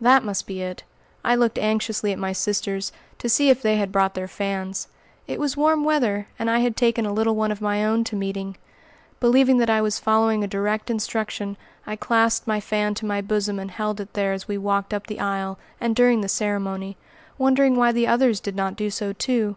That must be it! I looked anxiously at my sisters, to see if they had brought their fans. It was warm weather, and I had taken a little one of my own to meeting. Believing that I was following a direct instruction, I clasped my fan to my bosom and held it there as we walked up the aisle, and during the ceremony, wondering why the others did not do so, too.